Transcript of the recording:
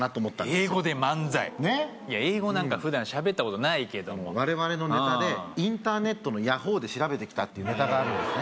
英語で漫才英語なんか普段喋ったことないけども我々のネタでインターネットのヤホーで調べてきたってネタがあるんですね